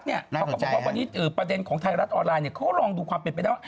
เขาก็บอกว่าวันนี้ประเด็นของไทยรัฐออนไลน์เขาลองดูความเป็นไปได้